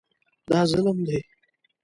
دا ظلم دی.